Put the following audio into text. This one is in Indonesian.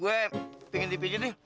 gua pingin dipijit nih